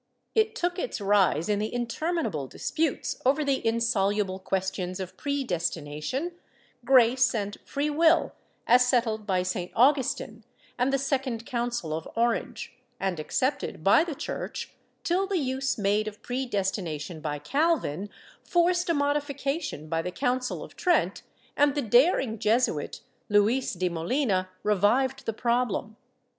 It took its rise in the interminable disputes over the insoluble questions of predestination, grace and free will, as settled by St. Augustin and the Second Council of Orange, and accepted by the Church, till the use made of predestination by Calvin forced a modification by the Council of Trent, and the daring Jesuit, Luis de Molina, revived the problem.